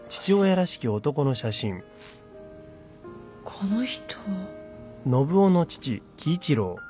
この人。